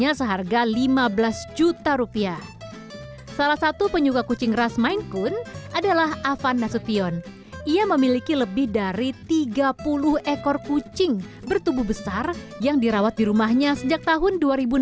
yang dirawat di rumahnya sejak tahun dua ribu enam belas